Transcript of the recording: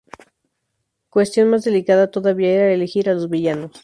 Cuestión más delicada todavía era elegir a los villanos.